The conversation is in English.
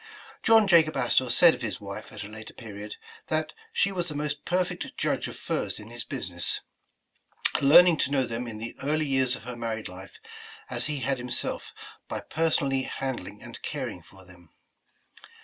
John Jacob Astor said of his wife at a later period, that she was the most perfect judge of furs in his business, learning to know them in the early years of her married life, as he had himself, by personally handling and caring for them.